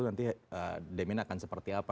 nanti demand akan seperti apa